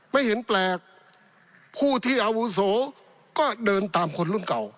ไม่เห็นแปลกผู้ที่อาวุโสก็เดินตามคนรุ่นเก่า